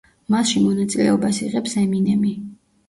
მასში მონაწილეობას იღებს ემინემი.